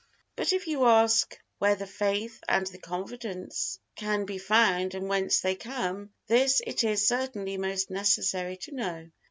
But if you ask, where the faith and the confidence can be found and whence they come, this it is certainly most necessary to know.